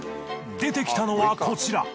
出てきたのはこちら。